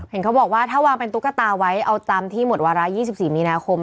เห็นเขาบอกว่าถ้าวางเป็นตุ๊กตาไว้เอาจำที่หมดวาระ๒๔มีนาคม